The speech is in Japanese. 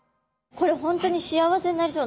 これ本当に幸せになりそう。